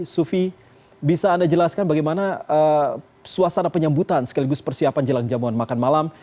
sufi bisa anda jelaskan bagaimana suasana penyambutan sekaligus persiapan jelang jamuan makan malam